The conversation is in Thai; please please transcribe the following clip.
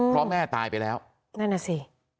เพราะแม่ตายไปแล้วนั่นน่ะสิ